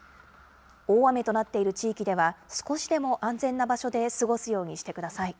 大雨となっている地域では、少しでも安全な場所で過ごすようにしてください。